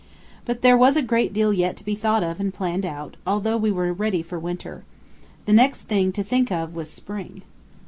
But there was a great deal yet to be thought of and planned out, although we were ready for winter. The next thing to think of was spring.